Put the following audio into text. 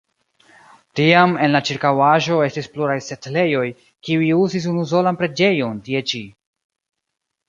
Tiam en la ĉirkaŭaĵo estis pluraj setlejoj, kiuj uzis unusolan preĝejon tie ĉi.